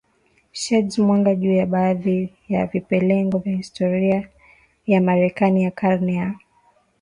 sheds mwanga juu ya baadhi ya vipengele vya historia ya Marekani ya karne ya